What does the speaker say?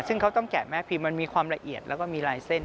ซึ่งเขาต้องแกะแม่พิมพ์มันมีความละเอียดแล้วก็มีลายเส้น